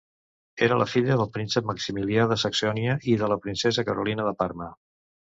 Era la filla del príncep Maximilià de Saxònia i de la princesa Carolina de Parma.